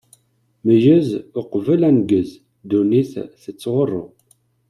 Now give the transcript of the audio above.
Meyyez uqbel aneggez, ddunit tettɣuṛṛu!